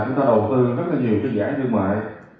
chúng ta đầu tư rất nhiều giải thương mại